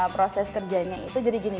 proses kerjanya itu jadi gini